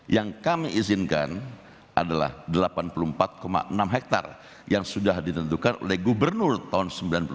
yang kami izinkan adalah delapan puluh empat enam hektar yang sudah ditentukan oleh gubernur tahun sembilan puluh empat